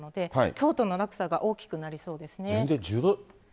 きょうとの落差が大きくなりそうですね。